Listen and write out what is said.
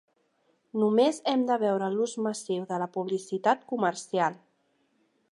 Només hem de veure l'ús massiu de la publicitat comercial.